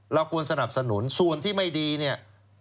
เราควรสนับสนุนส่วนที่ไม่ดีเนี่ย